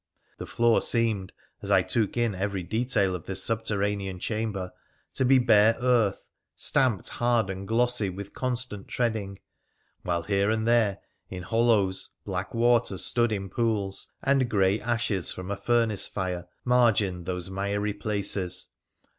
The floor seemed, as I took in every detail of this subterranean chamber, to be bare earth, stamped hard and glossy with constant treading, while here and there in hollows black water stood in pools, and grey ashes from a furnace fire margined those miry places.